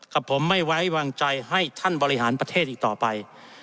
กับผมไม่ไว้วางใจให้ท่านบริหารประเทศอีกต่อไป